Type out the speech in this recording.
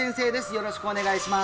よろしくお願いします